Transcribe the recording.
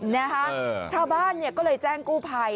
นะคะชาวบ้านเนี่ยก็เลยแจ้งกู้ภัย